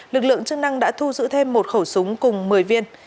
lực lượng chức năng đã thu giữ thêm một khẩu súng cùng một mươi viên